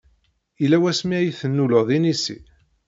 Yella wasmi ay tennuleḍ inisi?